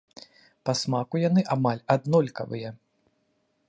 Па смаку яны амаль аднолькавыя.